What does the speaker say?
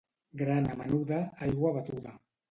Grana menuda, aigua batuda.